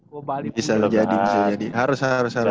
bisa jadi bisa jadi harus harus harus